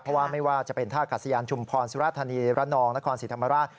เพราะว่าไม่ว่าจะเป็นท่ากาศยานชุมพรสุรธานีระนองนครศรีธรรมราช